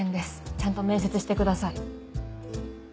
ちゃんと面接してください。